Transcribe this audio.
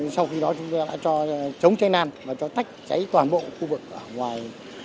sau khi đó chúng tôi đã cho chống cháy lan và cho tách cháy toàn bộ khu vực ở ngoài